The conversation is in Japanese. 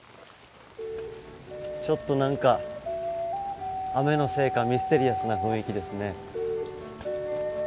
ちょっと何か雨のせいかミステリアスな雰囲気ですね。